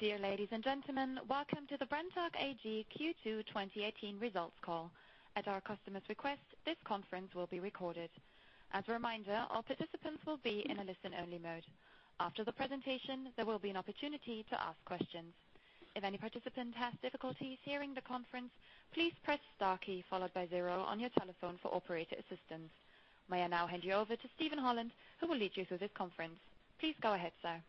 Dear ladies and gentlemen, welcome to the Brenntag AG Q2 2018 results call. At our customer's request, this conference will be recorded. As a reminder, all participants will be in a listen-only mode. After the presentation, there will be an opportunity to ask questions. If any participant has difficulties hearing the conference, please press * key followed by zero on your telephone for operator assistance. May I now hand you over to Steven Holland, who will lead you through this conference. Please go ahead, sir.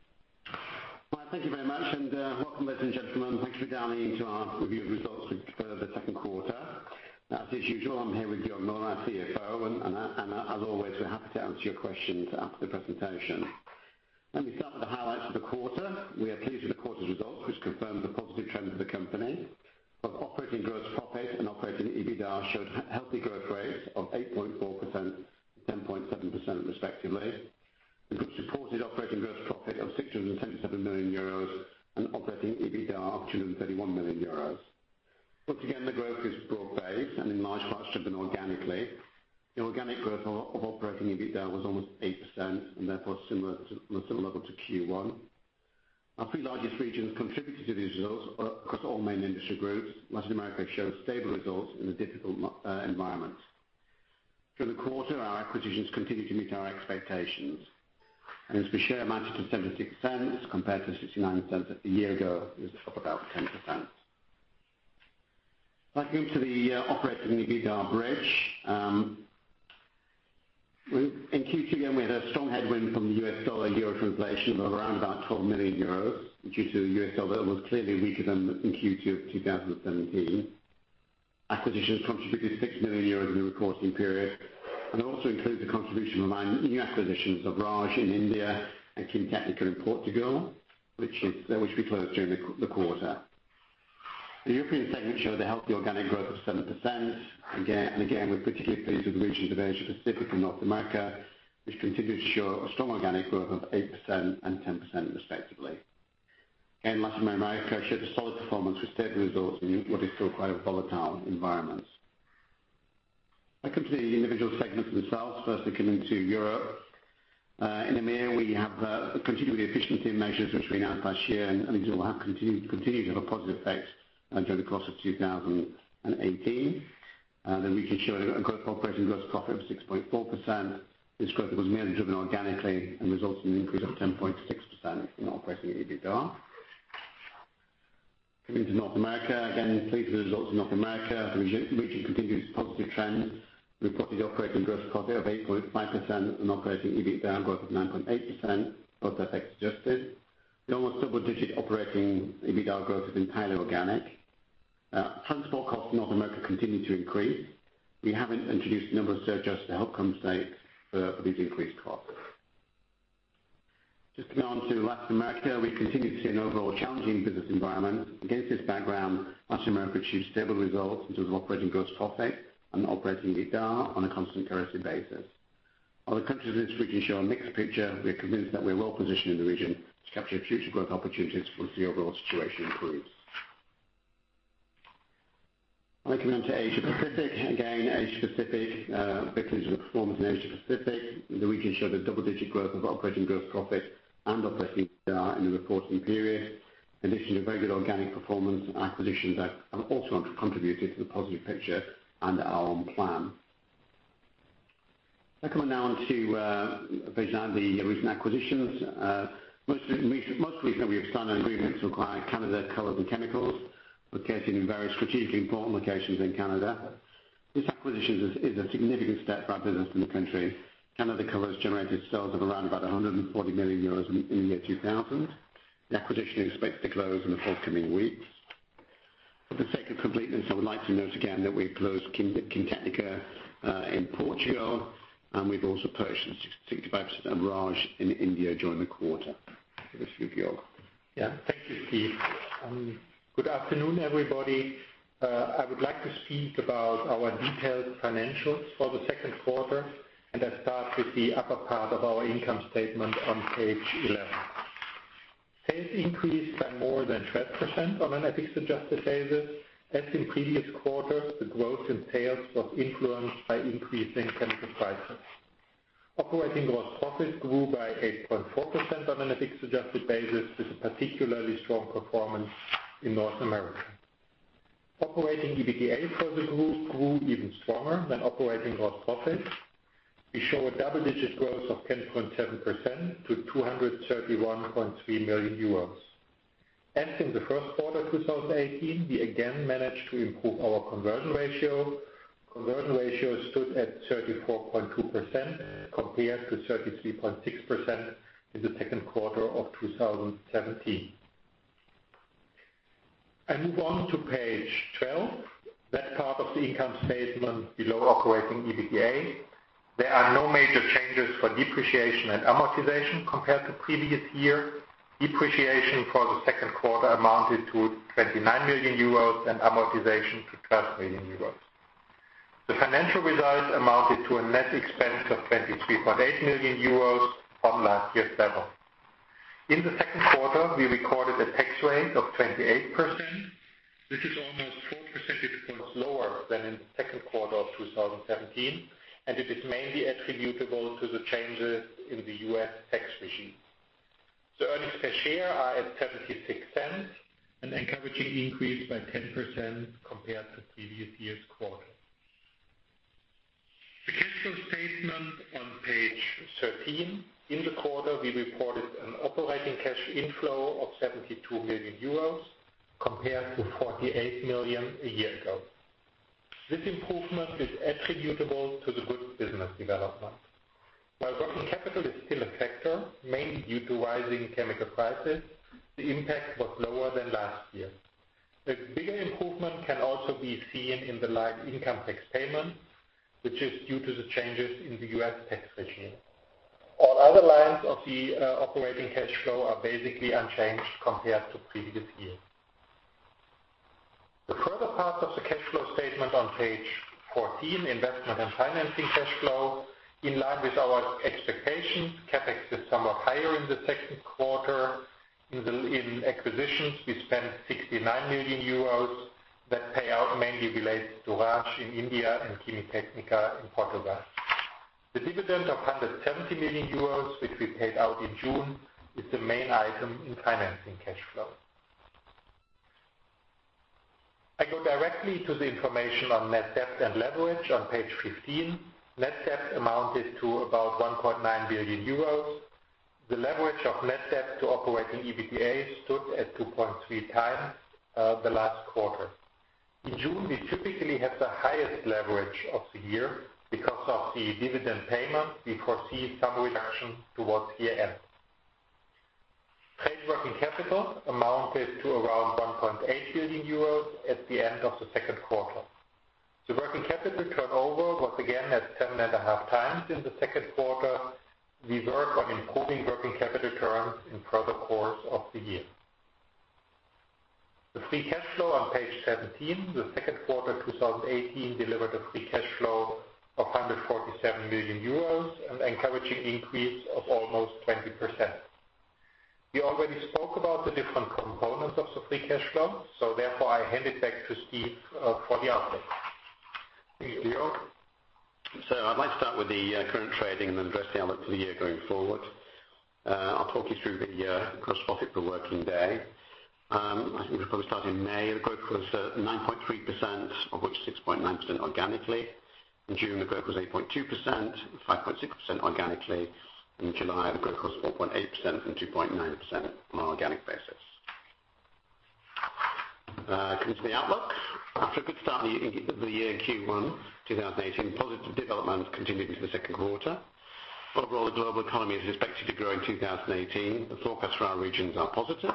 Well, thank you very much, and welcome, ladies and gentlemen. Thanks for dialing into our review of results for the second quarter. As usual, I'm here with Georg Müller, our CFO, and as always, we're happy to answer your questions after the presentation. Let me start with the highlights for the quarter. We are pleased with the quarter's results, which confirms the positive trend of the company. Both operating gross profit and operating EBITDA showed healthy growth rates of 8.4% to 10.7% respectively. The group supported operating gross profit of 677 million euros in operating EBITDA of 231 million euros. Once again, the growth is broad-based and in large parts driven organically. The organic growth of operating EBITDA was almost 8% and therefore similar to Q1. Our three largest regions contributed to these results across all main industry groups. Latin America showed stable results in a difficult environment. Through the quarter, our acquisitions continued to meet our expectations. As we share, amounted to 0.76 compared to 0.69 a year ago. It was up about 10%. If I can go to the operating EBITDA bridge. In Q2, again, we had a strong headwind from the US dollar/euro translation of around about 12 million euros due to the US dollar was clearly weaker than in Q2 of 2017. Acquisitions contributed 6 million euros in the reporting period, and also includes the contribution of my new acquisitions of Raj in India and Quimitécnica in Portugal, which we closed during the quarter. The European segment showed a healthy organic growth of 7%. Again, we're particularly pleased with the regions of Asia-Pacific and North America, which continue to show a strong organic growth of 8% and 10% respectively. In Latin America, showed a solid performance with stable results in what is still quite a volatile environment. I come to the individual segments themselves. Firstly, coming to Europe. In EMEA, we have continued with the efficiency measures which we announced last year and these will continue to have a positive effect during the course of 2018. The region showed a growth operating gross profit of 6.4%. This growth was mainly driven organically and results in an increase of 10.6% in operating EBITDA. Coming to North America, again, pleased with the results in North America, the region continues its positive trend. We reported operating gross profit of 8.5% and operating EBITDA growth of 9.8% of FX adjusted. The almost double-digit operating EBITDA growth is entirely organic. Transport costs in North America continue to increase. We have introduced a number of surcharges to help compensate for these increased costs. To go on to Latin America, we continue to see an overall challenging business environment. Against this background, Latin America achieved stable results in terms of operating gross profit and Operating EBITDA on a constant currency basis. Other countries in this region show a mixed picture. We are convinced that we're well positioned in the region to capture future growth opportunities once the overall situation improves. I come on to Asia-Pacific. Again, Asia-Pacific, very pleased with the performance in Asia-Pacific. The region showed a double-digit growth of operating gross profit and Operating EBITDA in the reporting period. In addition to very good organic performance, acquisitions have also contributed to the positive picture and are on plan. I come on now to the recent acquisitions. Most recently, we have signed agreements to acquire Canada Colors and Chemicals, located in very strategically important locations in Canada. This acquisition is a significant step for our business in the country. Canada Colors generated sales of around about 140 million euros in the year 2000. The acquisition is expected to close in the forthcoming weeks. For the sake of completeness, I would like to note again that we closed Quimitécnica in Portugal, and we've also purchased 65% of Raj in India during the quarter. Over to you, Georg. Thank you, Steve. Good afternoon, everybody. I would like to speak about our detailed financials for the second quarter. I start with the upper part of our income statement on page 11. Sales increased by more than 12% on an FX adjusted basis. As in previous quarters, the growth in sales was influenced by increasing chemical prices. operating gross profit grew by 8.4% on an FX adjusted basis, with a particularly strong performance in North America. Operating EBITDA for the group grew even stronger than operating gross profit. We show a double-digit growth of 10.7% to 231.3 million euros. As in the first quarter 2018, we again managed to improve our conversion ratio. Conversion ratio stood at 34.2% compared to 33.6% in the second quarter of 2017. I move on to page 12. That part of the income statement below Operating EBITDA. There are no major changes for depreciation and amortization compared to previous year. Depreciation for the second quarter amounted to 29 million euros and amortization to 12 million euros. The financial results amounted to a net expense of 23.8 million euros from last year's level. In the second quarter, we recorded a tax rate of 28%. Was lower than in the second quarter of 2017, it is mainly attributable to the changes in the U.S. tax regime. Earnings per share are at 0.76, an encouraging increase by 10% compared to previous year's quarter. The cash flow statement on page 13. In the quarter, we reported an operating cash inflow of 72 million euros compared to 48 million a year ago. This improvement is attributable to the good business development. While working capital is still a factor, mainly due to rising chemical prices, the impact was lower than last year. A bigger improvement can also be seen in the [live income tax payments], which is due to the changes in the U.S. tax regime. All other lines of the operating cash flow are basically unchanged compared to previous year. The further part of the cash flow statement on page 14, investment and financing cash flow. In line with our expectations, CapEx is somewhat higher in the second quarter. In acquisitions, we spent 69 million euros. That payout mainly relates to Raj in India and Quimitécnica in Portugal. The dividend of 170 million euros, which we paid out in June, is the main item in financing cash flow. I go directly to the information on net debt and leverage on page 15. Net debt amounted to about 1.9 billion euros. The leverage of net debt to Operating EBITDA stood at 2.3 times the last quarter. In June, we typically have the highest leverage of the year. Because of the dividend payment, we foresee some reduction towards year-end. Trade working capital amounted to around 1.8 billion euros at the end of the second quarter. The working capital turnover was again at 7.5 times in the second quarter. We work on improving working capital terms in further course of the year. The free cash flow on page 17, the second quarter 2018 delivered a free cash flow of 147 million euros, an encouraging increase of almost 20%. We already spoke about the different components of the free cash flow, therefore I hand it back to Steve for the update. Thank you, Georg. I'd like to start with the current trading and then address the outlook for the year going forward. I'll talk you through the gross profit for working day. I think we probably start in May. The growth was 9.3%, of which 6.9% organically. In June, the growth was 8.2%, 5.6% organically. In July, the growth was 4.8% and 2.9% on an organic basis. Coming to the outlook. After a good start to the year in Q1 2018, positive developments continued into the second quarter. Overall, the global economy is expected to grow in 2018. The forecast for our regions are positive.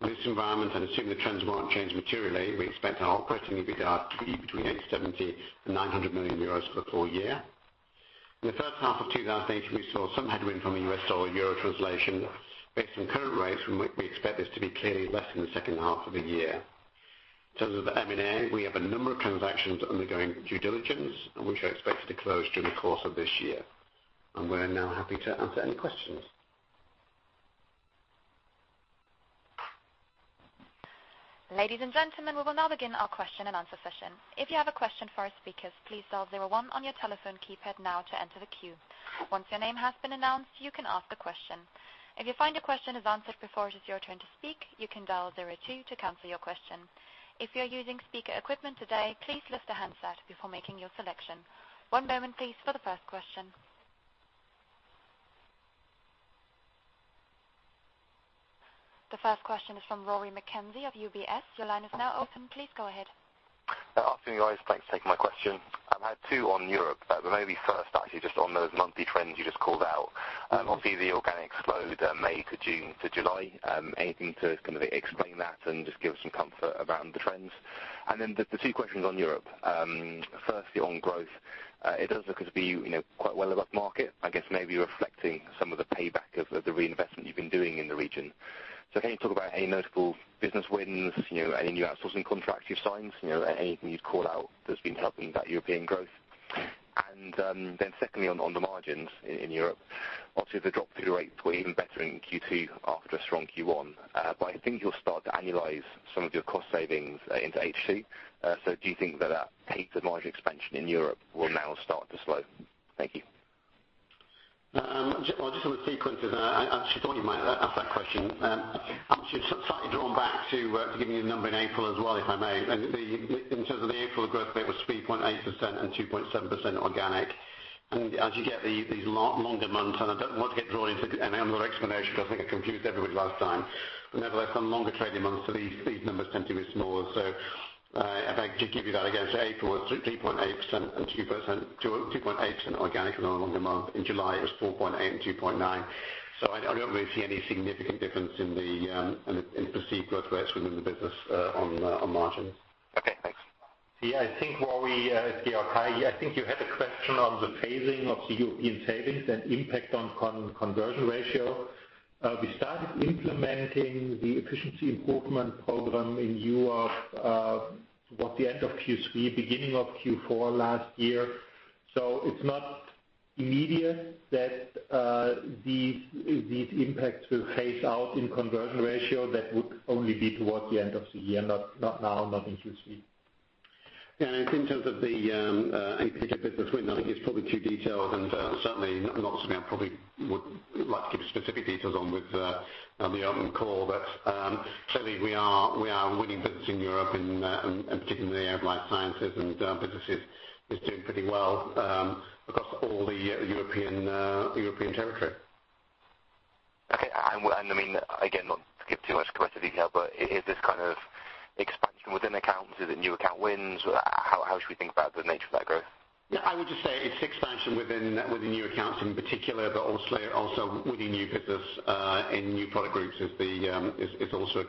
In this environment, and assuming the trends won't change materially, we expect our Operating EBITDA to be between 870 million and 900 million euros for the full year. In the first half of 2018, we saw some headwind from the USD/EUR translation. Based on current rates, we expect this to be clearly less in the second half of the year. In terms of the M&A, we have a number of transactions undergoing due diligence, and which are expected to close during the course of this year. We're now happy to answer any questions. Ladies and gentlemen, we will now begin our question and answer session. If you have a question for our speakers, please dial 01 on your telephone keypad now to enter the queue. Once your name has been announced, you can ask a question. If you find your question is answered before it is your turn to speak, you can dial 02 to cancel your question. If you're using speaker equipment today, please lift the handset before making your selection. One moment, please, for the first question. The first question is from Rory McKenzie of UBS. Your line is now open. Please go ahead. Afternoon, guys. Thanks for taking my question. I have two on Europe. Maybe first actually just on those monthly trends you just called out. Obviously, the organics slowed May to June to July. Anything to kind of explain that and just give us some comfort around the trends? Then the two questions on Europe. Firstly, on growth, it does look as if we quite well above market, I guess maybe reflecting some of the payback of the reinvestment you've been doing in the region. Can you talk about any notable business wins, any new outsourcing contracts you've signed? Anything you'd call out that's been helping that European growth? Then secondly, on the margins in Europe, obviously the drop through rates were even better in Q2 after a strong Q1. I think you'll start to annualize some of your cost savings into H2. Do you think that that pace of margin expansion in Europe will now start to slow? Thank you. Just on the sequences, I actually thought you might ask that question. I'm slightly drawn back to giving you the number in April as well, if I may. In terms of the April growth rate was 3.8% and 2.7% organic. As you get these longer months, and I don't want to get drawn into another explanation because I think I confused everybody last time. Nevertheless, on longer trading months, these numbers tend to be smaller. If I could give you that again, April was 3.8% and 2.8% organic on a longer month. In July, it was 4.8% and 2.9%. I don't really see any significant difference in the perceived growth rates within the business on margins. Okay, thanks. Yeah, I think, Rory, it's Georg. I think you had a question on the phasing of the European savings and impact on conversion ratio. We started implementing the efficiency improvement program in Europe towards the end of Q3, beginning of Q4 last year. It's not immediate that these impacts will phase out in conversion ratio that would only be towards the end of the year, not now, not in Q3. Yeah. I think in terms of the particular bits between that, I think it's probably too detailed and certainly not something I probably would like to give specific details on with the open call. Clearly we are winning business in Europe and particularly in the applied sciences and businesses is doing pretty well across all the European territory. Okay. Again, not to give too much competitive detail, is this expansion within accounts? Is it new account wins? How should we think about the nature of that growth? Yeah, I would just say it's expansion within new accounts in particular, but also winning new business, in new product groups is also a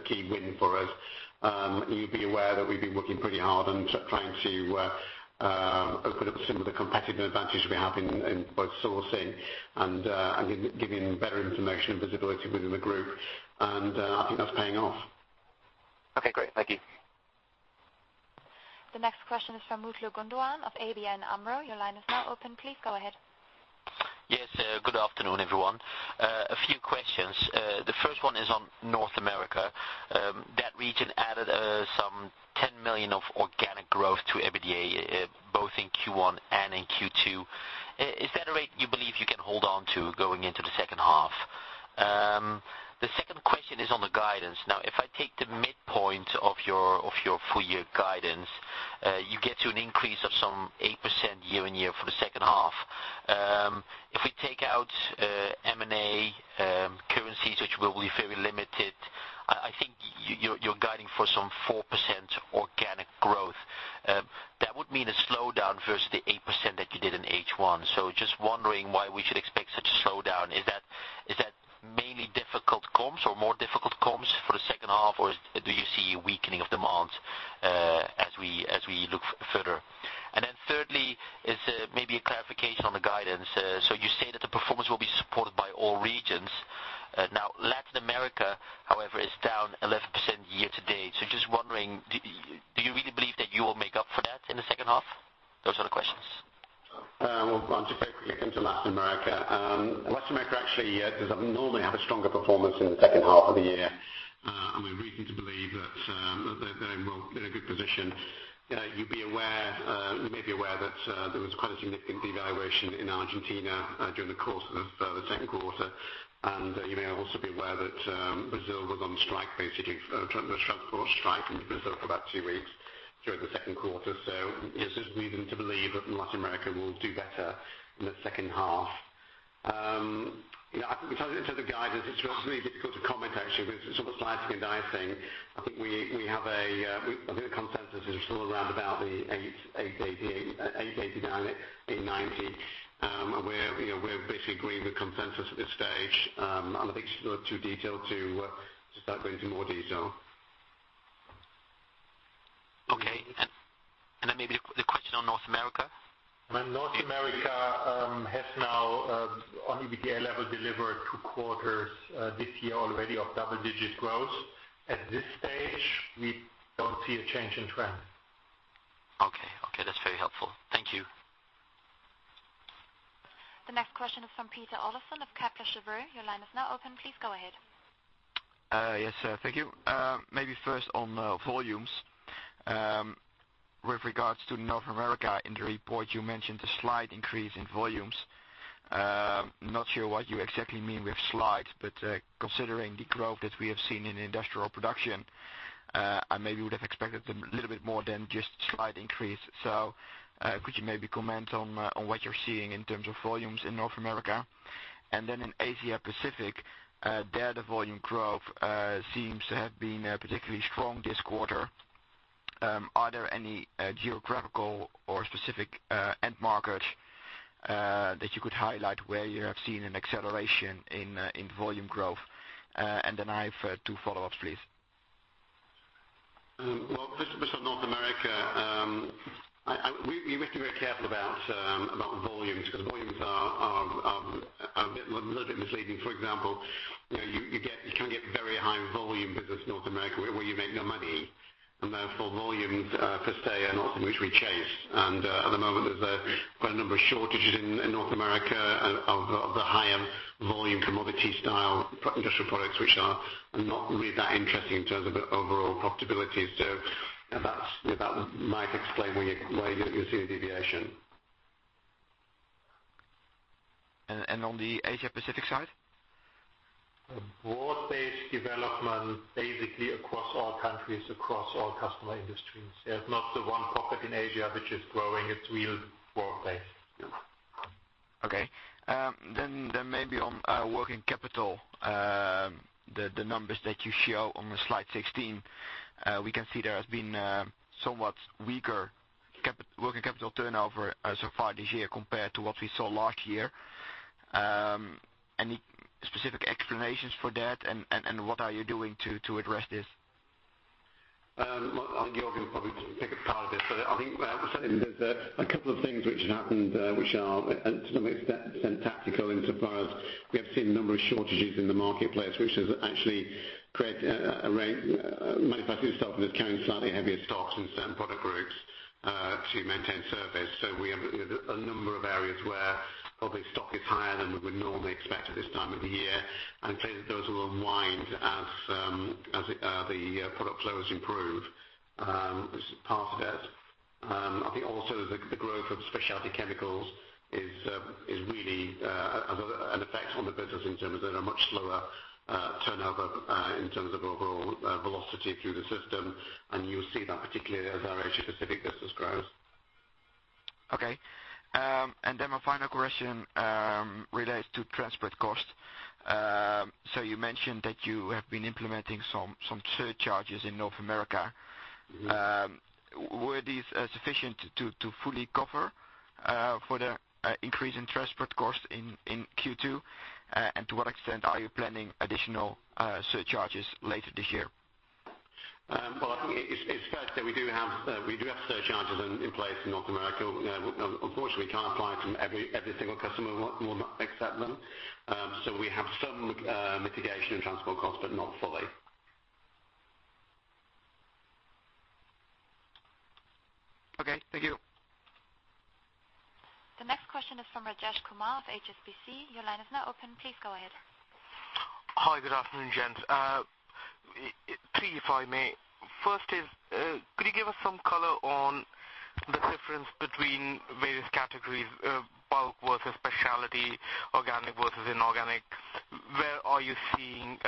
key win for us. You'd be aware that we've been working pretty hard and trying to open up some of the competitive advantage we have in both sourcing and giving better information and visibility within the group. I think that's paying off. Okay, great. Thank you. The next question is from Mutlu Gundogan of ABN AMRO. Your line is now open. Please go ahead. Yes. Good afternoon, everyone. A few questions. The first one is on North America. That region added some 10 million of organic growth to EBITDA, both in Q1 and in Q2. Is that a rate you believe you can hold on to going into the second half? The second question is on the guidance. Now, if I take the midpoint of your full year guidance, you get to an increase of some 8% year-on-year for the second half. If we take out M&A currencies, which will be very limited, I think you're guiding for some 4% organic growth. That would mean a slowdown versus the 8% that you did in H1. Just wondering why we should expect such a slowdown. Is that mainly difficult comps or more difficult comps for the second half? Or do you see a weakening of demand as we look further? Thirdly is maybe a clarification on the guidance. You say that the performance will be supported by all regions. Now, Latin America, however, is down 11% year to date. Just wondering, do you really believe that you will make up for that in the second half? Those are the questions. Well, I'll just very quickly come to Latin America. Latin America actually does normally have a stronger performance in the second half of the year. We've reason to believe that they're in a good position. You may be aware that there was quite a significant devaluation in Argentina during the course of the second quarter. You may also be aware that Brazil was on strike, basically. Transport strike in Brazil for about two weeks during the second quarter. There's reason to believe that Latin America will do better in the second half. I think in terms of the guidance, it's really difficult to comment actually, because it's sort of slicing and dicing. I think the consensus is still around about the eight, EUR 80, EUR 90. We're basically agreeing with consensus at this stage. I think it's a little too detailed to start going through more detail. Okay. Maybe the question on North America. North America has now, on EBITDA level, delivered two quarters this year already of double digit growth. At this stage, we don't see a change in trend. Okay. That's very helpful. Thank you. The next question is from Pieter Olofsen of Kepler Cheuvreux. Your line is now open. Please go ahead. Thank you. Maybe first on volumes. With regards to North America, in the report you mentioned a slight increase in volumes. Not sure what you exactly mean with slight, but considering the growth that we have seen in industrial production, I maybe would have expected a little bit more than just slight increase. Could you maybe comment on what you're seeing in terms of volumes in North America? In Asia Pacific, there the volume growth seems to have been particularly strong this quarter. Are there any geographical or specific end markets that you could highlight where you have seen an acceleration in volume growth? I have two follow-ups, please. Well, first of North America, we have to be very careful about volumes, because volumes are a little bit misleading. For example, you can get very high volume business North America where you make no money, and therefore volumes per se are not something which we chase. At the moment there's quite a number of shortages in North America of the higher volume commodity style industrial products, which are not really that interesting in terms of overall profitability. That might explain why you're seeing a deviation. On the Asia Pacific side? A broad-based development basically across all countries, across all customer industries. There is not one pocket in Asia which is growing. It is real broad-based. Maybe on working capital, the numbers that you show on slide 16, we can see there has been somewhat weaker working capital turnover so far this year compared to what we saw last year. Any specific explanations for that and what are you doing to address this? Georg will probably take a part of this, I think what I would say there is a couple of things which have happened which are to some extent tactical insofar as we have seen a number of shortages in the marketplace, which has actually created a rate. Manufacturing itself is carrying slightly heavier stocks in certain product groups areas where probably stock is higher than we would normally expect at this time of the year. Clearly, those will unwind as the product flows improve as part of it. I think also the growth of specialty chemicals is really an effect on the business in terms of they are much slower turnover in terms of overall velocity through the system, and you will see that particularly as our Asia Pacific business grows. Okay. My final question relates to transport cost. You mentioned that you have been implementing some surcharges in North America. Were these sufficient to fully cover for the increase in transport cost in Q2? To what extent are you planning additional surcharges later this year? I think it's fair to say we do have surcharges in place in North America. Unfortunately, we can't apply it to every single customer will not accept them. We have some mitigation of transport costs, but not fully. Okay, thank you. The next question is from Rajesh Kumar of HSBC. Your line is now open. Please go ahead. Hi, good afternoon, gents. Three, if I may. First is, could you give us some color on the difference between various categories, bulk versus specialty, organic versus inorganic? Where are you seeing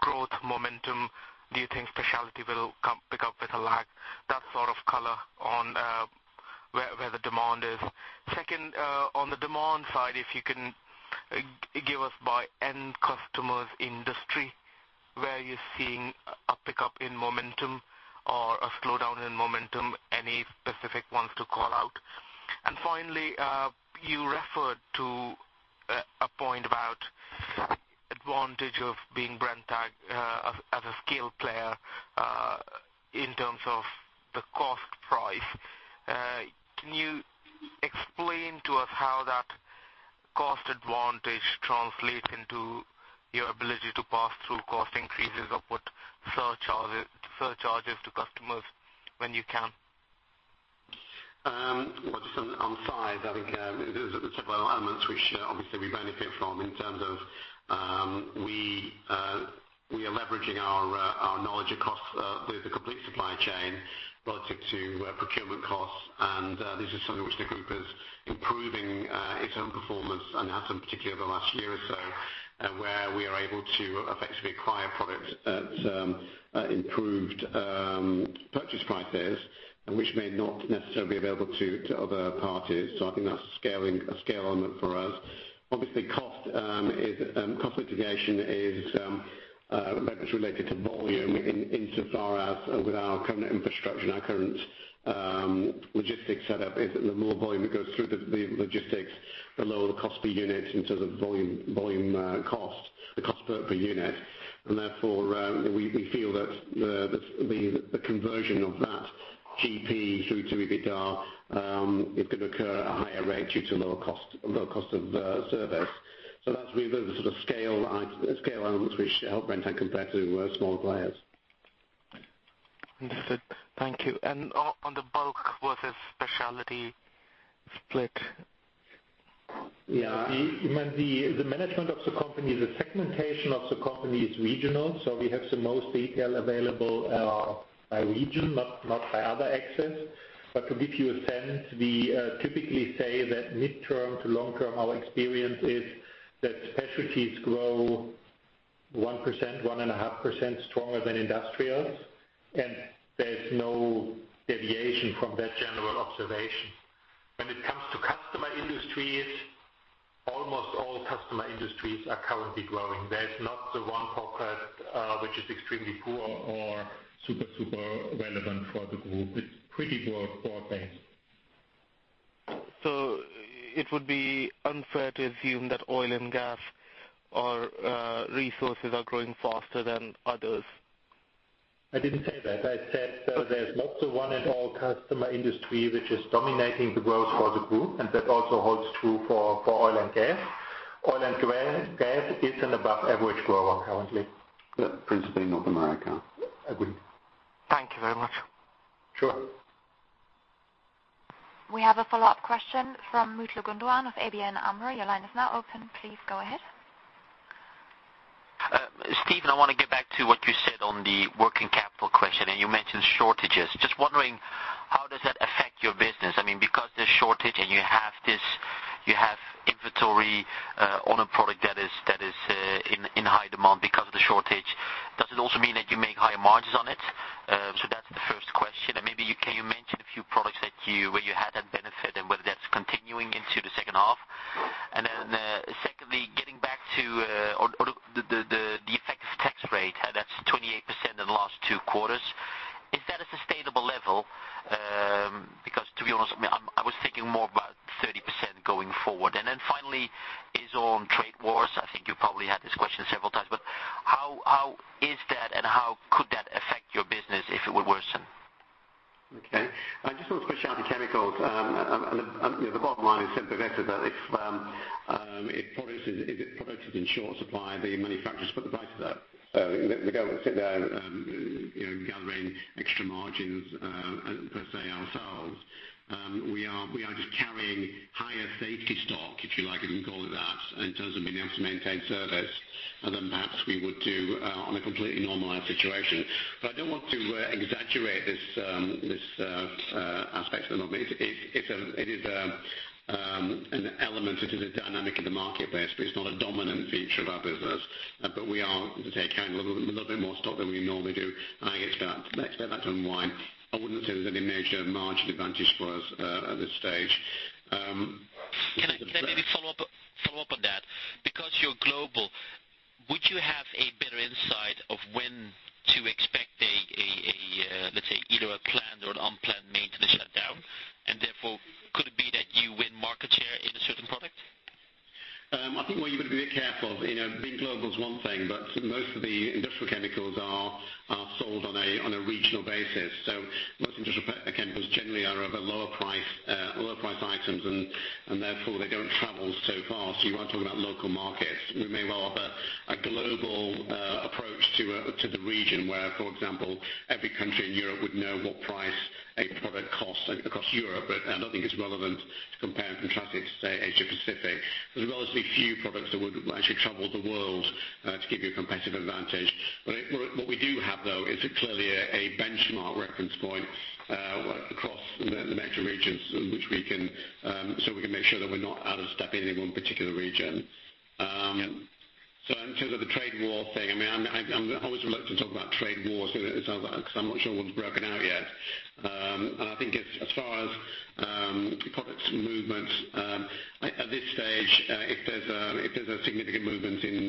growth momentum? Do you think specialty will pick up with a lag? That sort of color on where the demand is. Second, on the demand side, if you can give us by end customers industry, where you're seeing a pickup in momentum or a slowdown in momentum, any specific ones to call out. Finally, you referred to a point about advantage of being Brenntag as a scale player in terms of the cost price. Can you explain to us how that cost advantage translate into your ability to pass through cost increases of what surcharges to customers when you can? Well, just on size, I think there's several elements which obviously we benefit from in terms of we are leveraging our knowledge across the complete supply chain relative to procurement costs. This is something which the group is improving its own performance and has done particularly over the last year or so, where we are able to effectively acquire products at improved purchase prices and which may not necessarily be available to other parties. I think that's a scale element for us. Obviously, cost mitigation is, I suppose, related to volume insofar as with our current infrastructure and our current logistics set up is the more volume that goes through the logistics, the lower the cost per unit in terms of volume cost, the cost per unit. Therefore, we feel that the conversion of that GP through to EBITDA, it could occur at a higher rate due to lower cost of service. That's really the sort of scale items we help Brenntag and compare to smaller players. Understood. Thank you. On the bulk versus specialty split. Yeah. The management of the company, the segmentation of the company is regional, we have the most detail available by region, not by other axes. To give you a sense, we typically say that midterm to long-term, our experience is that specialties grow 1%, 1.5% stronger than industrials, and there's no deviation from that general observation. When it comes to customer industries, almost all customer industries are currently growing. There's not the one focus which is extremely poor or super relevant for the group. It's pretty broad-based. It would be unfair to assume that oil and gas or resources are growing faster than others. I didn't say that. I said there's not one at all customer industry which is dominating the growth for the group, that also holds true for oil and gas. Oil and gas is an above average grower currently. Yeah. Principally North America. Agree. Thank you very much. Sure. We have a follow-up question from Mutlu Gundogan of ABN AMRO. Your line is now open. Please go ahead. Steven, I want to get back to what you said on the working capital question, and you mentioned shortages. Just wondering, how does that affect your business? I mean, because there's shortage and you have inventory on a product that is in high demand because of the shortage, does it also mean that you make higher margins on it? That's the first question. Maybe can you mention a few products where you had that benefit and whether that's continuing into the second half? Secondly, getting back to the effective tax rate, that's 28% in the last two quarters. Is that a sustainable level? To be honest, I was thinking more about 30% going forward. Finally is on trade wars. I think you probably had this question several times, but how is that and how could that affect your business if it would worsen? Okay. Just on specialty chemicals, the bottom line is simple, Rajesh. If a product is in short supply, the manufacturers put the price up. We don't sit down gathering extra margins per se ourselves. We are just carrying higher safety stock, if you like, you can call it that, in terms of being able to maintain service than perhaps we would do on a completely normalized situation. I don't want to exaggerate this aspect at the moment. It is an element that is a dynamic of the marketplace, but it's not a dominant feature of our business. We are having to take care of a little bit more stock than we normally do. I expect that to unwind. I wouldn't say there's any major margin advantage for us at this stage. Can I maybe follow up on that? Because you're global, would you have a better insight of when to expect, let's say, either a planned or an unplanned maintenance shutdown? Therefore, could it be that you win market share in a certain product? I think where you got to be a bit careful is, being global is one thing, most of the industrial chemicals are sold on a regional basis. Most industrial chemicals generally are of a lower price items and therefore they don't travel so far. You are talking about local markets. We may well have a global approach to the region where, for example, every country in Europe would know what price a product costs across Europe. I don't think it's relevant to compare and contrast it to, say, Asia-Pacific. There's relatively few products that would actually travel the world to give you a competitive advantage. What we do have, though, is clearly a benchmark reference point across the major regions so we can make sure that we're not out of step in any one particular region. Yeah. In terms of the trade war thing, I'm always reluctant to talk about trade wars because I'm not sure one's broken out yet. I think as far as products movements, at this stage if there's a significant movement in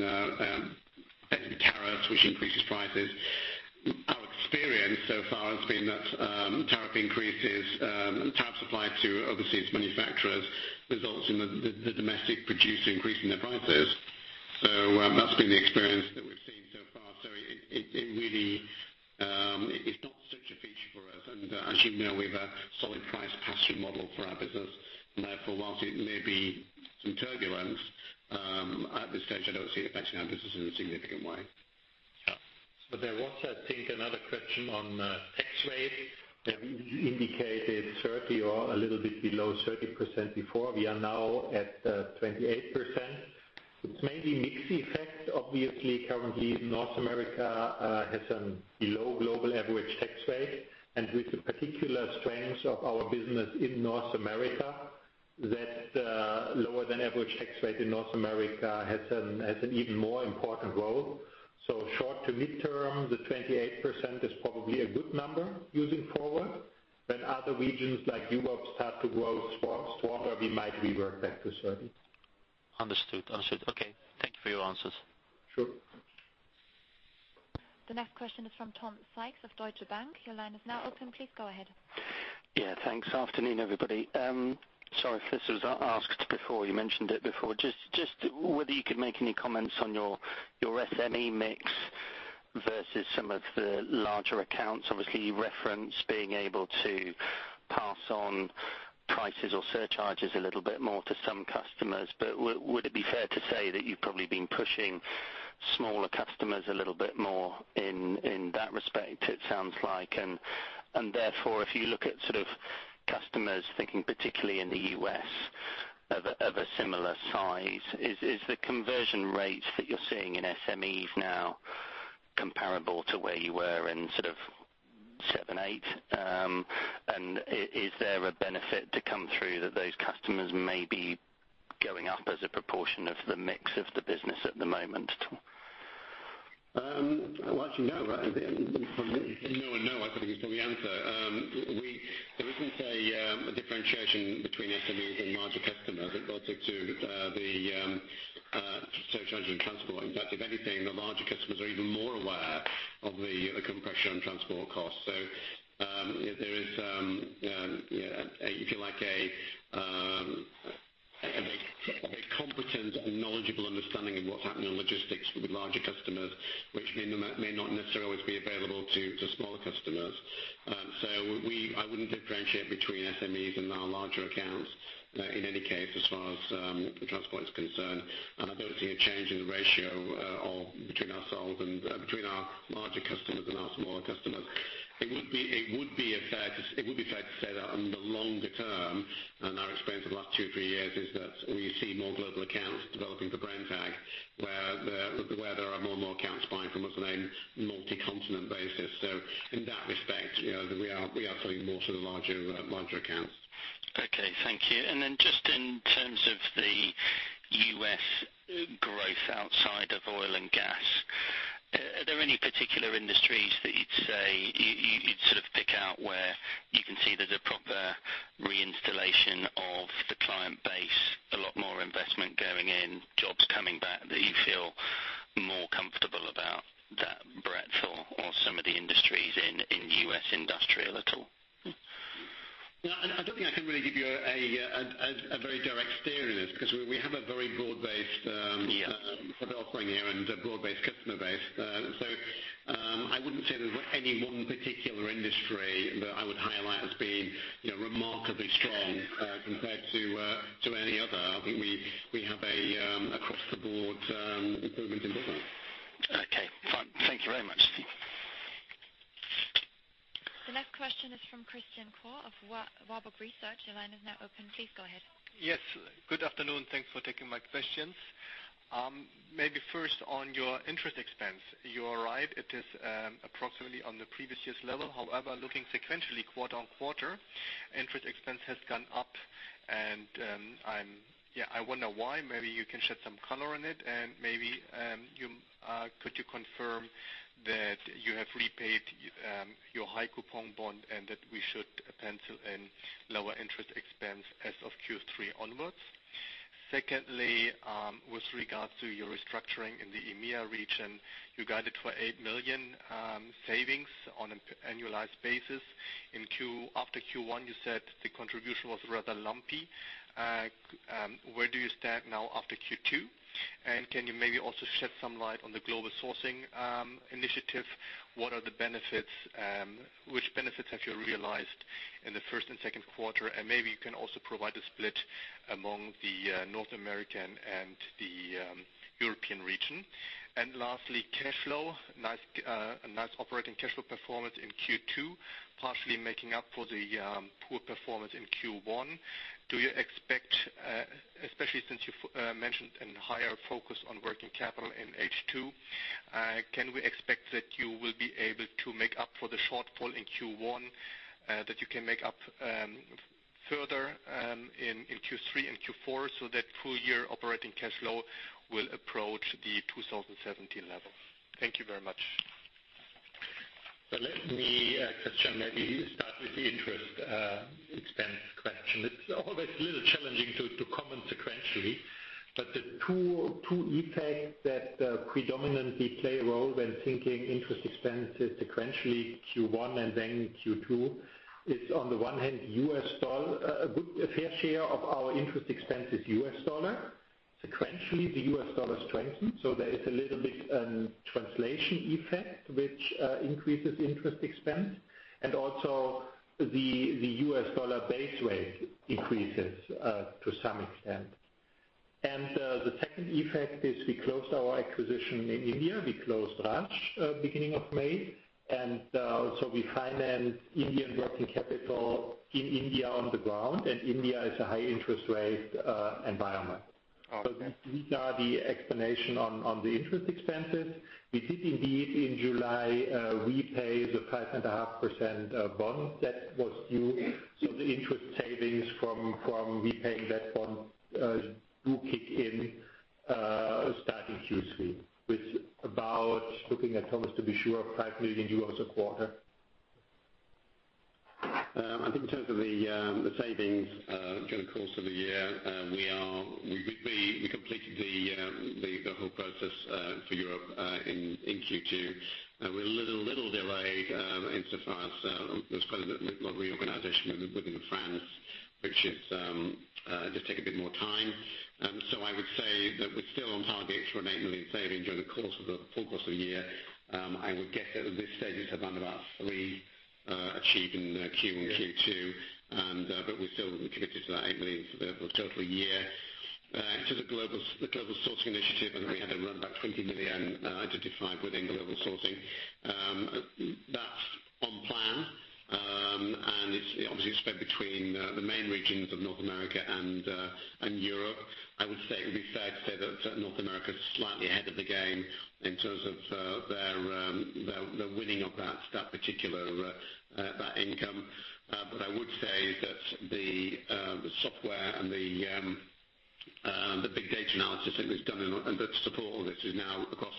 tariffs, which increases prices, our experience so far has been that tariff supply to overseas manufacturers results in the domestic producer increasing their prices. That's been the experience that we've seen so far. It really is not such a feature for us. As you know, we have a solid price pass-on model for our business. Therefore, whilst it may be some turbulence, at this stage I don't see it affecting our business in a significant way. Yeah. There was, I think, another question on tax rate that we indicated 30% or a little bit below 30% before. We are now at 28%. It is maybe mixed effects. Obviously, currently North America has some below global average tax rate. With the particular strengths of our business in North America, that lower than average tax rate in North America has an even more important role. Short to mid-term, the 28% is probably a good number using forward. When other regions like Europe start to grow stronger, we might revert back to 30%. Understood. Okay. Thank you for your answers. Sure. The next question is from Tom Sykes of Deutsche Bank. Your line is now open, please go ahead. Thanks. Afternoon, everybody. Sorry if this was asked before, you mentioned it before, just whether you could make any comments on your SME mix versus some of the larger accounts. Obviously, you reference being able to pass on prices or surcharges a little bit more to some customers. Would it be fair to say that you have probably been pushing smaller customers a little bit more in that respect, it sounds like? Therefore, if you look at sort of customers thinking, particularly in the U.S. of a similar size, is the conversion rates that you are seeing in SMEs now comparable to where you were in sort of 2007, 2008? Is there a benefit to come through that those customers may be going up as a proportion of the mix of the business at the moment at all? No, no, I think is probably the answer. There isn't a differentiation between SMEs and larger customers with regard to the surcharge and transport. In fact, if anything, the larger customers are even more aware of the compression on transport costs. There is, if you like, a big competent and knowledgeable understanding of what's happening on logistics with larger customers, which may not necessarily always be available to smaller customers. I wouldn't differentiate between SMEs and our larger accounts in any case as far as transport is concerned. I don't see a change in the ratio between our larger customers and our smaller customers. It would be fair to say that on the longer term, and our experience of the last two or three years, is that we see more global accounts developing for Brenntag where there are more and more accounts buying from us on a multi-continent basis. In that respect, we are selling more to the larger accounts. Okay. Thank you. Just in terms of the U.S. growth outside of oil and gas, are there any particular industries that you'd say you'd sort of pick out where you can see there's a proper reinstallation of the client base, a lot more investment going in, jobs coming back that you feel more comfortable about that breadth or some of the industries in U.S. industrial at all? No, I don't think I can really give you a very direct steer in this because we have a very broad base. Yeah developing here and a broad base customer base. I wouldn't say there's any one particular industry that I would highlight as being remarkably strong compared to any other. I think we have an across-the-board improvement in business. Okay, fine. Thank you very much. The next question is from Christian Cohrs of Warburg Research. Your line is now open. Please go ahead. Yes, good afternoon. Thanks for taking my questions. Maybe first on your interest expense. You are right, it is approximately on the previous year's level. However, looking sequentially quarter-on-quarter, interest expense has gone up and I wonder why. Maybe you can shed some color on it and maybe could you confirm that you have repaid your high coupon bond and that we should pencil in lower interest expense as of Q3 onwards? Secondly, with regards to your restructuring in the EMEA region, you guided for 8 million savings on an annualized basis. After Q1, you said the contribution was rather lumpy. Where do you stand now after Q2? Can you maybe also shed some light on the global sourcing initiative? Which benefits have you realized in the first and second quarter? And maybe you can also provide a split among the North American and the European region. Lastly, cash flow. A nice operating cash flow performance in Q2, partially making up for the poor performance in Q1. Especially since you mentioned a higher focus on working capital in H2, can we expect that you will be able to make up for the shortfall in Q1, that you can make up further in Q3 and Q4 so that full-year operating cash flow will approach the 2017 level? Thank you very much. Let me, Christian, maybe start with the interest expense question. It's always a little challenging to comment sequentially, but the two effects that predominantly play a role when thinking interest expenses sequentially Q1 and then Q2 is on the one hand, a fair share of our interest expense is US dollar. Sequentially, the US dollar strengthened, there is a little bit translation effect which increases interest expense. Also the US dollar base rate increases to some extent. The second effect is we closed our acquisition in India. We closed Raj beginning of May, we financed Indian working capital in India on the ground, and India is a high interest rate environment. Okay. These are the explanation on the interest expenses. We did indeed in July repay the 5.5% bond that was due. The interest savings from repaying that bond do kick in starting Q3 with about, looking at Thomas to be sure, 5 million euros a quarter. I think in terms of the savings during the course of the year, we completed the whole process for Europe in Q2. We're a little delayed insofar as there was quite a lot of reorganization within France, which did take a bit more time. I would say that we're still on target for 8 million savings during the full course of the year. I would guess at this stage it's around about 3 million achieved in Q1 and Q2. We're still committed to that 8 million for the total year. To the global sourcing initiative, I think we had around about 20 million identified within global sourcing. That's on plan. Obviously, it's spread between the main regions of North America and Europe. I would say it would be fair to say that North America is slightly ahead of the game in terms of their winning of that particular income. I would say that the software and the big data analysis that was done in support of this is now across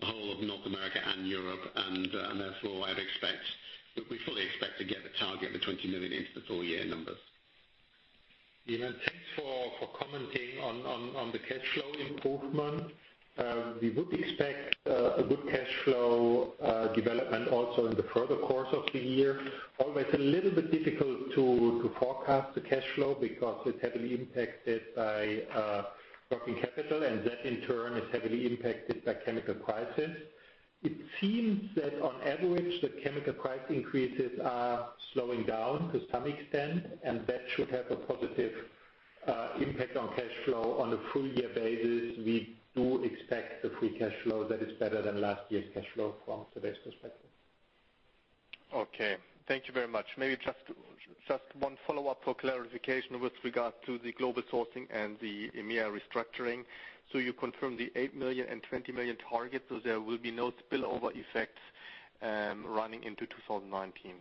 the whole of North America and Europe. Therefore, we fully expect to get a target of the 20 million into the full year numbers. Yeah. Thanks for commenting on the cash flow improvement. We would expect a good cash flow development also in the further course of the year. Always a little bit difficult to forecast the cash flow because it's heavily impacted by working capital, and that in turn is heavily impacted by chemical prices. It seems that on average, the chemical price increases are slowing down to some extent, and that should have a positive impact on cash flow. On a full year basis, we do expect the free cash flow that is better than last year's cash flow from today's perspective. Okay. Thank you very much. Maybe just one follow-up for clarification with regards to the global sourcing and the EMEA restructuring. You confirm the 8 million and 20 million target, so there will be no spillover effects running into 2019?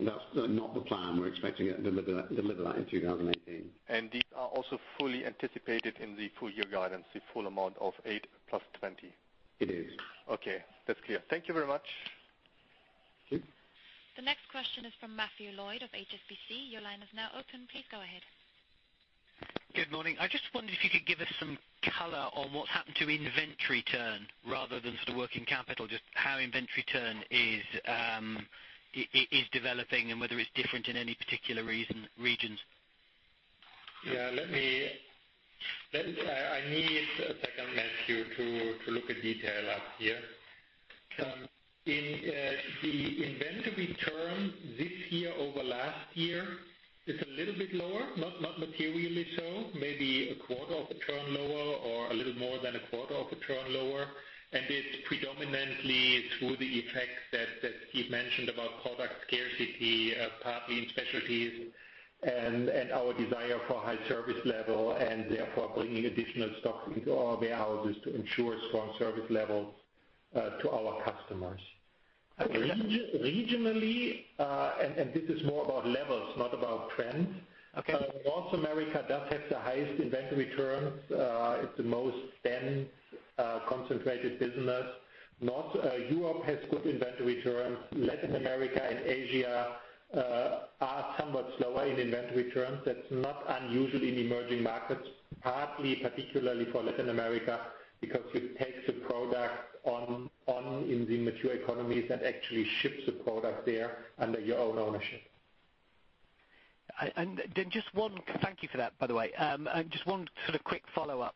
That's not the plan. We're expecting to deliver that in 2018. These are also fully anticipated in the full year guidance, the full amount of eight plus 20. It is. Okay. That's clear. Thank you very much. Thank you. The next question is from Matthew Lloyd of HSBC. Your line is now open. Please go ahead. Good morning. I just wondered if you could give us some color on what's happened to inventory turn rather than working capital, just how inventory turn is developing and whether it's different in any particular regions. Yeah. I need a second, Matthew, to look a detail up here. Okay. In the inventory turn this year over last year is a little bit lower, not materially so, maybe a quarter of a turn lower or a little more than a quarter of a turn lower. It's predominantly through the effect that Steve mentioned about product scarcity, partly in specialties and our desire for high service level, and therefore bringing additional stock into our warehouses to ensure strong service levels to our customers. Okay. Regionally, this is more about levels, not about trends. Okay North America does have the highest inventory turns. It's the most dense, concentrated business. North Europe has good inventory turns. Latin America and Asia are somewhat slower in inventory turns. That's not unusual in emerging markets, partly particularly for Latin America, because you take the product on in the mature economies and actually ship the product there under your own ownership. Thank you for that, by the way. Just one sort of quick follow-up.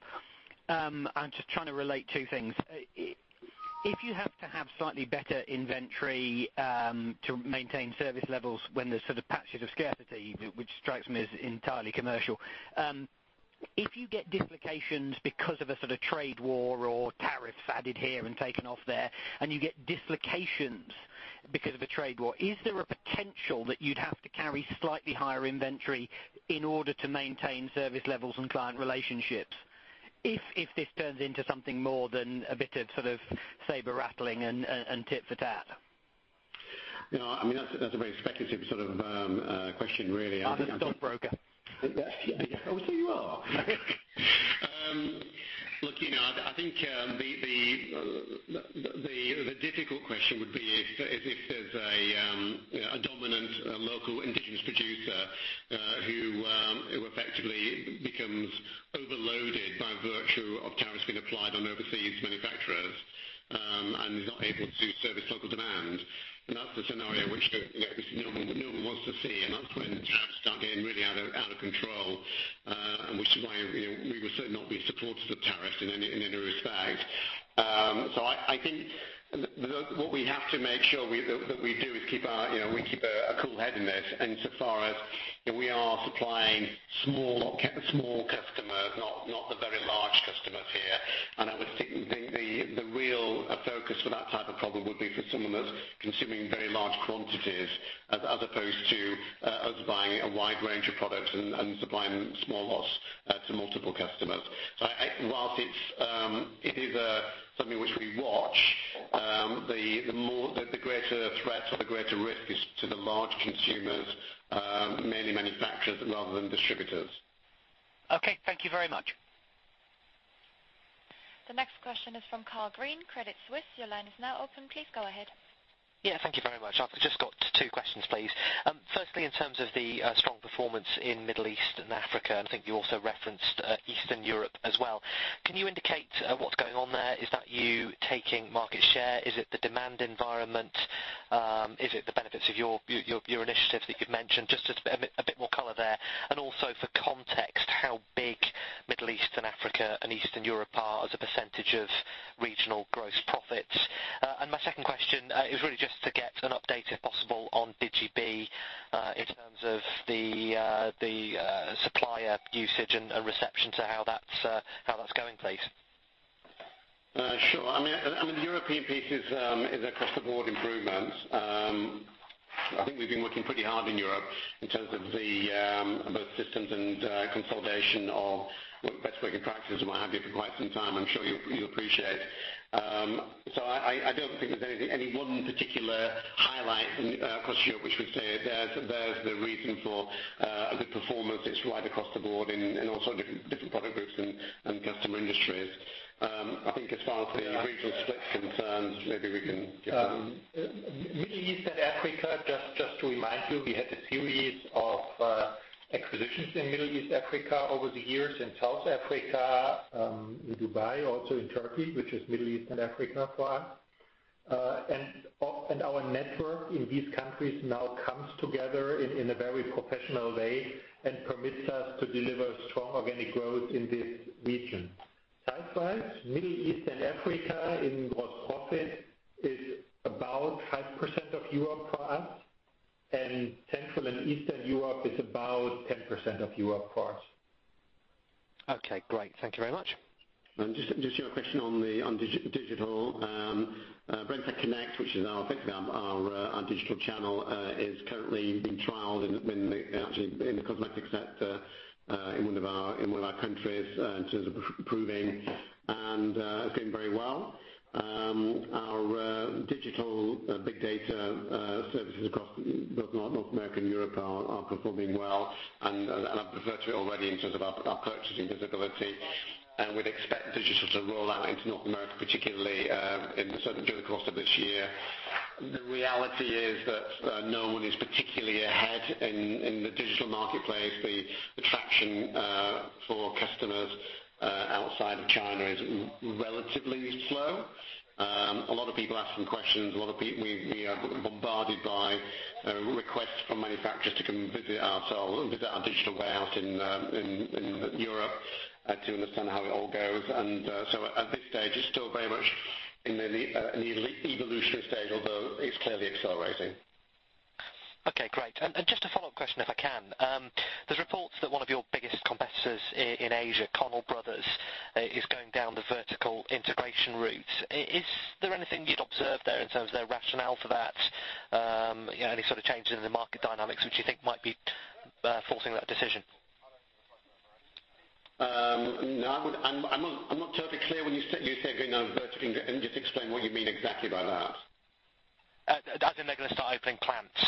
I'm just trying to relate two things. If you have to have slightly better inventory, to maintain service levels when there's sort of patches of scarcity, which strikes me as entirely commercial. If you get dislocations because of a sort of trade war or tariffs added here and taken off there, and you get dislocations because of a trade war, is there a potential that you'd have to carry slightly higher inventory in order to maintain service levels and client relationships? If this turns into something more than a bit of sort of saber-rattling and tit for tat. That's a very speculative sort of question, really. I'm a stockbroker. Oh, look, I think the difficult question would be if there's a dominant local indigenous producer, who effectively becomes overloaded by virtue of tariffs being applied on overseas manufacturers, and is not able to service local demand. That's the scenario which no one wants to see, and that's when the tariffs start getting really out of control. Which is why we would certainly not be supportive of tariffs in any respect. I think what we have to make sure that we do is we keep a cool head in this insofar as we are supplying small customers, not the very large customers here. I would think the real focus for that type of problem would be for someone that's consuming very large quantities as opposed to us buying a wide range of products and supplying small lots to multiple customers. Whilst it is something which we watch, the greater threat or the greater risk is to the large consumers, mainly manufacturers rather than distributors. Okay. Thank you very much. The next question is from Karl Green, Credit Suisse. Your line is now open. Please go ahead. Yeah, thank you very much. I've just got two questions, please. Firstly, in terms of the strong performance in Middle East and Africa, I think you also referenced Eastern Europe as well. Can you indicate what's going on there? Is that you taking market share? Is it the demand environment? Is it the benefits of your initiatives that you've mentioned? Just a bit more color there. Also for context, how big Middle East and Africa and Eastern Europe are as a % of regional gross profits? My second question is really just to get an update, if possible, on DigiB, in terms of the supplier usage and reception to how that's going, please. Sure. The European piece is across the board improvements. I think we've been working pretty hard in Europe in terms of both systems and consolidation of best working practices and what have you for quite some time. I'm sure you appreciate. I don't think there's any one particular highlight across Europe which we'd say there's the reason for a good performance. It's right across the board in all sorts of different product groups and customer industries. I think as far as the regional split concerns, Middle East and Africa, just to remind you, we had a series of acquisitions in Middle East, Africa over the years, in South Africa, in Dubai, also in Turkey, which is Middle East and Africa for us. Our network in these countries now comes together in a very professional way and permits us to deliver strong organic growth in this region. Size-wise, Middle East and Africa in gross profit is about 5% of Europe for us, Central and Eastern Europe is about 10% of Europe for us. Okay, great. Thank you very much. Just your question on digital. Brenntag Connect, which is effectively our digital channel, is currently being trialed actually in the cosmetics sector, in one of our countries, in terms of approving and it is going very well. Our digital big data services across both North America and Europe are performing well, and I have referred to it already in terms of our purchasing visibility. We would expect digital to roll out into North America, particularly during the course of this year. The reality is that no one is particularly ahead in the digital marketplace. The traction for customer relatively slow. A lot of people asking questions. We are bombarded by requests from manufacturers to come visit our digital warehouse in Europe to understand how it all goes. At this stage, it is still very much in the early evolutionary stage, although it is clearly accelerating. Okay, great. Just a follow-up question, if I can. There are reports that one of your biggest competitors in Asia, Connell Brothers, is going down the vertical integration route. Is there anything you had observed there in terms of their rationale for that? Any sort of changes in the market dynamics, which you think might be forcing that decision? No, I am not totally clear when you say going down vertical. Can you just explain what you mean exactly by that? As in they're going to start opening plants.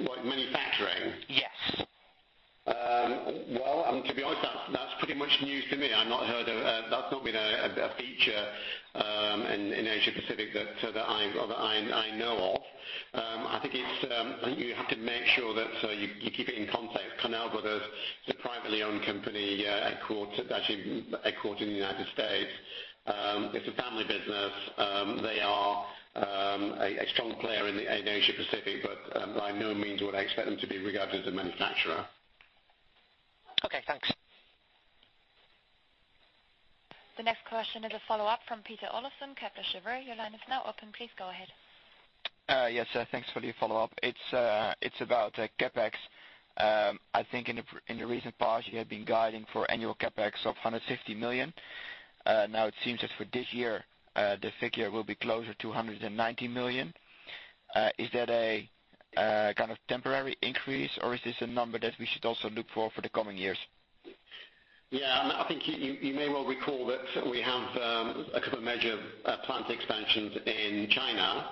Like manufacturing? Yes. Well, to be honest, that's pretty much news to me. That's not been a feature in Asia Pacific that I know of. I think you have to make sure that you keep it in context. Connell Brothers is a privately owned company, actually headquartered in the United States. It's a family business. They are a strong player in Asia Pacific, but by no means would I expect them to be regarded as a manufacturer. Okay, thanks. The next question is a follow-up from Pieter Olofsen, Kepler Cheuvreux. Your line is now open. Please go ahead. Yes, thanks for the follow-up. It's about CapEx. I think in the recent past you have been guiding for annual CapEx of 150 million. Now it seems that for this year, the figure will be closer to 190 million. Is that a kind of temporary increase, or is this a number that we should also look for for the coming years? Yeah, I think you may well recall that we have a couple of major plant expansions in China,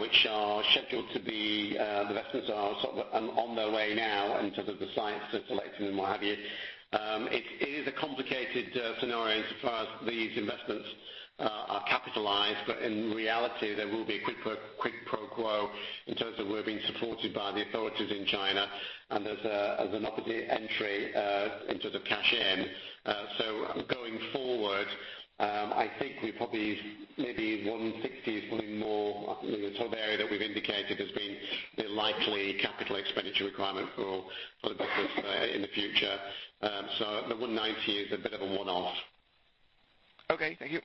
which are scheduled to be. The investments are sort of on their way now in terms of the sites are selected and what have you. It is a complicated scenario in so far as these investments are capitalized, but in reality, there will be a quid pro quo in terms of we're being supported by the authorities in China as an opportunity entry in terms of cash in. Going forward, I think we probably, maybe 160 is probably more the sort of area that we've indicated as being the likely capital expenditure requirement for the business in the future. The 190 is a bit of a one-off. Okay, thank you.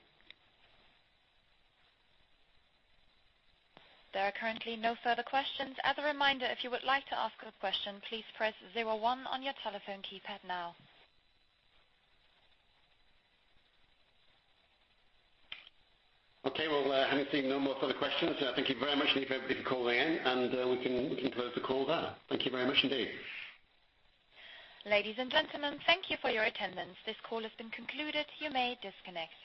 There are currently no further questions. As a reminder, if you would like to ask a question, please press zero one on your telephone keypad now. Okay, well, having seen no more further questions, thank you very much indeed for calling in, and we can close the call there. Thank you very much indeed. Ladies and gentlemen, thank you for your attendance. This call has been concluded. You may disconnect.